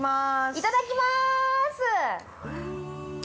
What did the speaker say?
◆いただきまーす！